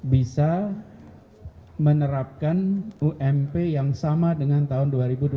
bisa menerapkan ump yang sama dengan tahun dua ribu dua puluh